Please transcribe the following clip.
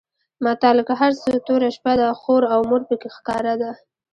متل؛ که هر څو توره شپه ده؛ خور او مور په کې ښکاره ده.